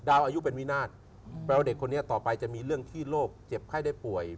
อายุเป็นวินาศแปลว่าเด็กคนนี้ต่อไปจะมีเรื่องที่โรคเจ็บไข้ได้ป่วย